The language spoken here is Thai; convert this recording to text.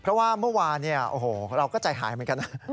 เพราะว่าเมื่อวานเนี่ยโอ้โหเราก็ใจหายเหมือนกันนะ